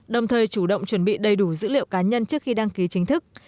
đồng thời chủ động chuẩn bị đầy đủ dữ liệu cá nhân trước khi đăng ký chính thức